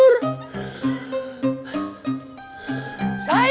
kenapa kamu selalu disini